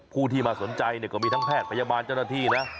ผู้ที่มาสนใจก็มีทั้งแพทย์พยาบาลเจ้าหน้าที่นะ